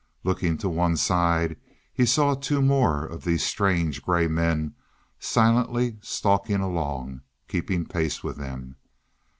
Looking to one side, he saw two more of these strange gray men, silently stalking along, keeping pace with them.